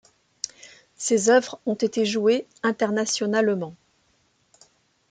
Ses œuvres ont été jouées internationalement.